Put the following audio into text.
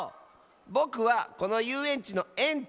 ぼくはこのゆうえんちのえんちょう。